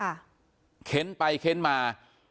ค่ะเข็นไปเข้นมา